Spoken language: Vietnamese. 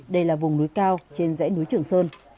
đây là vùng núi cao trên dãy núi trường sơn